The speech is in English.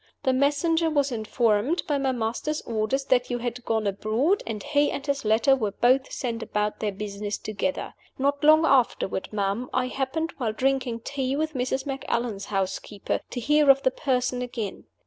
The messenger was informed, by my master's orders, that you had gone abroad, and he and his letter were both sent about their business together. Not long afterward, ma'am, I happened, while drinking tea with Mrs. Macallan's housekeeper, to hear of the Person again.